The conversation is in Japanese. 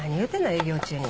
営業中に。